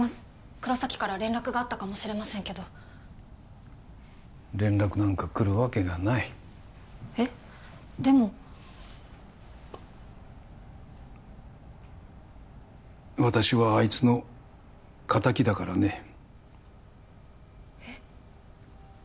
黒崎から連絡があったかもしれませんけど連絡なんか来るわけがないえっでも私はあいつの仇だからねえっ？